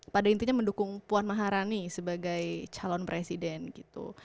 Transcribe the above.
pada intinya mendukung puan maharani sebagai calon presiden gitu